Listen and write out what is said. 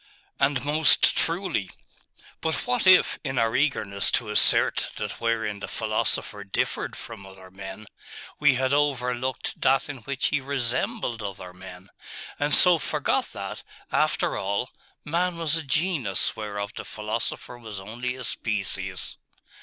'And most truly. But what if, in our eagerness to assert that wherein the philosopher differed from other men, we had overlooked that in which he resembled other men; and so forgot that, after all, man was a genus whereof the philosopher was only a species?